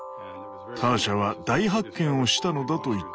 ターシャは大発見をしたのだと言っていました。